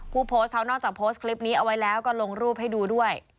ผู้โพสต์เขานอกจากโพสต์คลิปนี้เอาไว้แล้วก็ลงรูปให้ดูด้วย